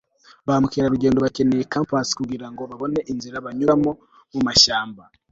ba mukerarugendo bakeneye gutwara kompas kugirango babone inzira banyura mumashyamba